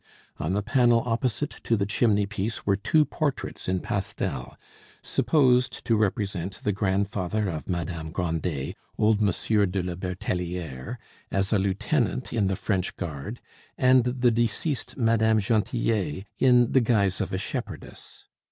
On the panel opposite to the chimney piece were two portraits in pastel, supposed to represent the grandfather of Madame Grandet, old Monsieur de la Bertelliere, as a lieutenant in the French guard, and the deceased Madame Gentillet in the guise of a shepherdess.